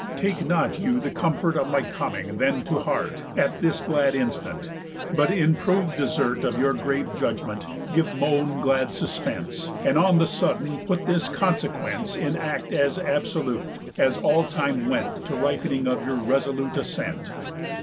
Take not you The comfort of my coming then to heart At this glad instant, but, in prov'd desert Of your grave judgment, give moan glad suspense, And on the sudden put this consequence In act as absolute, as all time went To ripening of your resolute assent."